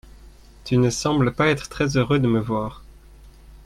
tu ne sembles pas être très heureux de me voir.